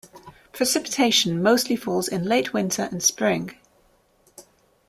Precipitation mostly falls in late winter and spring.